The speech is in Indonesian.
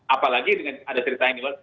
apalagi dengan ada cerita yang di luar